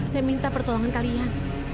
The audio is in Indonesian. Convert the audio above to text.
saya minta pertolongan kalian